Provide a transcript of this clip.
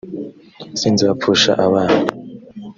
sinzapfusha abana